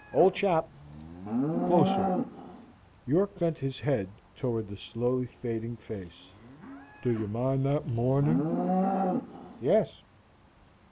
"Old chap." "Closer!" York bent his head toward the slowly fading face. "Do ye mind that morning?" "Yes."